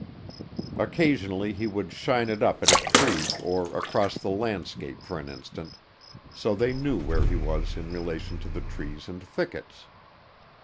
Occasionally he would shine it up at a tree or across the landscape for an instant, so they knew where he was in relation to the trees and thickets.